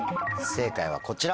正解はこちら。